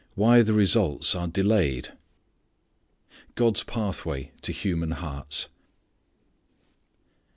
Why the Results are Delayed God's Pathway to Human Hearts.